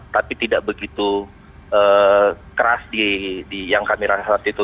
tapi tidak begitu keras yang kami rasa waktu itu